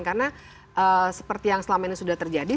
karena seperti yang selama ini sudah terjadi